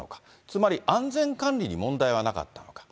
つまり、安全管理に問題はなかったのか。